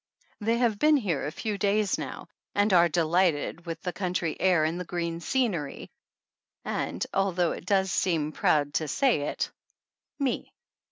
They have been here a few days now and are delighted with the country air and the green scenery, and, although it does seem proud to say it, me.